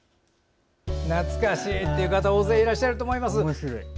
懐かしいって方大勢、いらっしゃると思います。